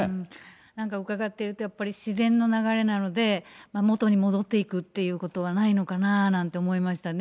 なんか伺ってると、やっぱり自然の流れなので、元に戻っていくということはないのかななんて思いましたね。